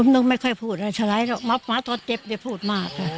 หนุ่มไม่ค่อยพูดนะฉะละหมาตอนเจ็บเดี๋ยวพูดมาก